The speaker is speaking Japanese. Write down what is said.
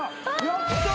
やった！